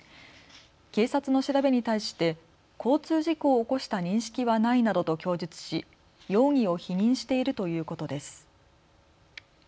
警察の調べに対して交通事故を起こした認識はないなどと供述し容疑を否認しているということです。